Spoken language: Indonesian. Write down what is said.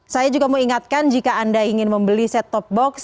saya juga mengingatkan jika anda ingin membeli set top box